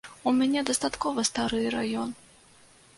У мяне дастаткова стары раён.